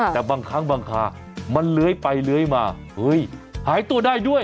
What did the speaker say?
แต่บางครั้งบางครามันเลื้อยไปเลื้อยมาเฮ้ยหายตัวได้ด้วย